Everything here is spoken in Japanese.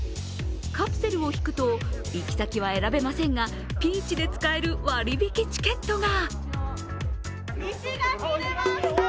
カプセルを引くと、行先は選べませんがピーチで使える割り引きチケットが。